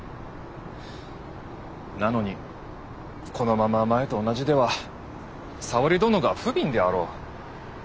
なのにこのまま前と同じでは沙織殿がふびんであろう。